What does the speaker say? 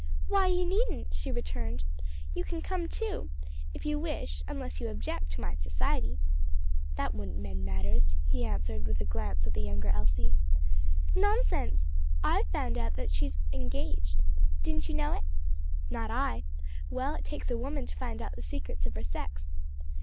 "Why, you needn't," she returned; "you can come too, if you wish, unless you object to my society." "That wouldn't mend matters," he answered, with a glance at the younger Elsie. "Nonsense! I've found out already that she's engaged. Didn't you know it?" "Not I. Well, it takes a woman to find out the secrets of her sex!"